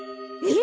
え！？